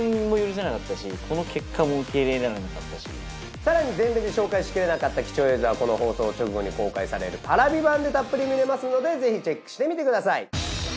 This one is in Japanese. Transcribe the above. さらに前編で紹介しきれなかった貴重映像はこの放送直後に公開されるＰａｒａｖｉ版でたっぷり見られますのでぜひチェックしてみてください。